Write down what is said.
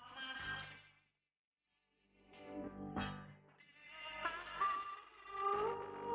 wakan kami lebih languge nuevo suaminya